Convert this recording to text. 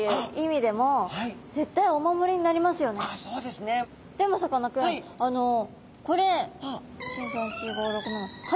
でもさかなクンこれ１２３４５６７